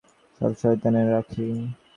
সব শয়তানের রাণী।